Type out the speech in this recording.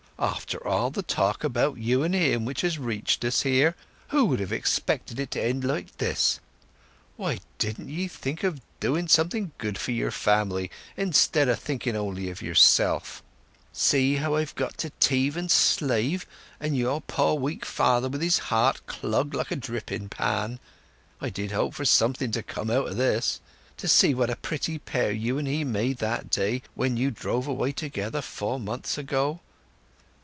"After all the talk about you and him which has reached us here, who would have expected it to end like this! Why didn't ye think of doing some good for your family instead o' thinking only of yourself? See how I've got to teave and slave, and your poor weak father with his heart clogged like a dripping pan. I did hope for something to come out o' this! To see what a pretty pair you and he made that day when you drove away together four months ago!